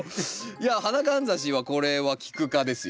花かんざしはこれはキク科ですよ。